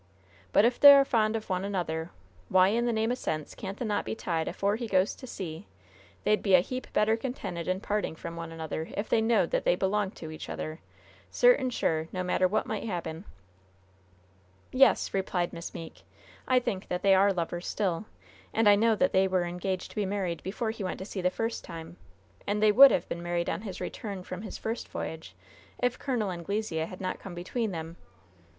But if they are fond o' one another, why, in the name o' sense, can't the knot be tied afore he goes to sea? They'd be a heaper better contented in parting from one another if they knowed that they belonged to each other, certain sure, no matter what might happen." "Yes," replied Miss Meeke. "I think that they are lovers still. And I know that they were engaged to be married before he went to sea the first time, and they would have been married on his return from his first voyage if Col. Anglesea had not come between them.